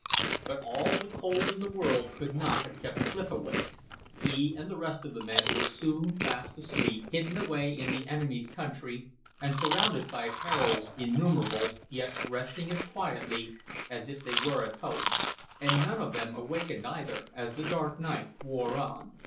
But all the cold in the world could not have kept Clif awake; he and the rest of the men were soon fast asleep, hidden away in the enemy's country, and surrounded by perils innumerable, yet resting as quietly as if they were at home. And none of them awakened either, as the dark night wore on.